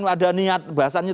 ada niat bahasanya